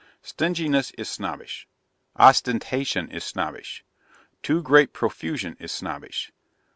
Stinginess is snobbish. Ostentation is snobbish. Too great profusion is snobbish.